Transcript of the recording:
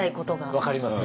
分かります？